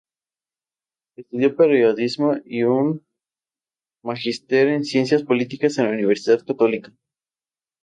Estudió Periodismo y un Magíster en Ciencias Políticas en la Universidad Católica.